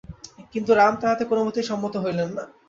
কিন্তু রাম তাহাতে কোনমতেই সম্মত হইলেন না।